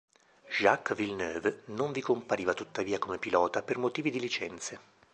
Jacques Villeneuve non vi compariva tuttavia come pilota per motivi di licenze.